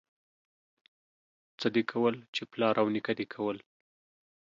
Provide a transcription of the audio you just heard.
څه دي کول، چې پلار او نيکه دي کول.